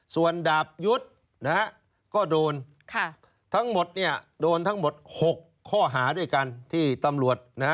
ส่วนดาบยุทธ์ก็โดนทั้งหมด๖ข้อหาด้วยกันที่ตำรวจ